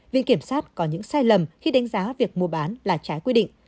viện kiểm sát có những sai lầm khi đánh giá việc mua bán là trái quy định